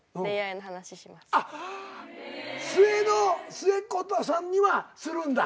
末っ子さんにはするんだ